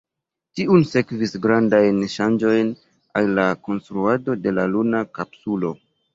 Tiun sekvis grandajn ŝanĝojn al la konstruado de la luna kapsulo.